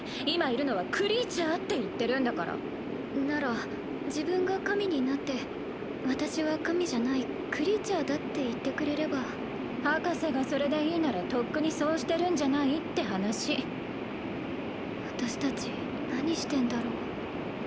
今いるのはクリーチャーって言ってるんだからなら自分が神になって私は神じゃないクリーチャーだって言ってくれれば博士がそれでいいならとっくにそうしてるんじゃない？って話私達何してんだろう